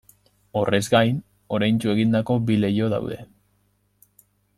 Horrez gain, oraintsu egindako bi leiho daude.